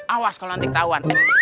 awas kalau nanti ketahuan